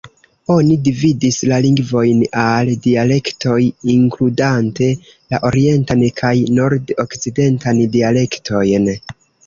Oni dividis la lingvojn al dialektoj, inkludante la orientan kaj nord-okcidentan dialektojn.